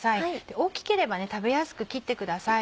大きければ食べやすく切ってください。